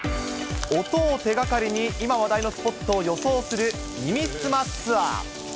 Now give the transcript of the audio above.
音を手がかりに、今話題のスポットを予想する耳すまツアー。